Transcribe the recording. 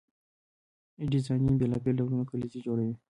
ډیزاینران بیلابیل ډولونه کلیزې جوړوي.